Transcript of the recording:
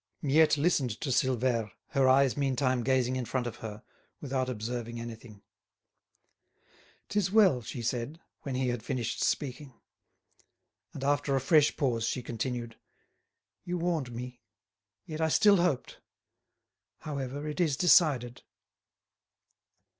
Miette listened to Silvère, her eyes meantime gazing in front of her, without observing anything. "'Tis well," she said, when he had finished speaking. And after a fresh pause she continued: "You warned me, yet I still hoped. ... However, it is decided."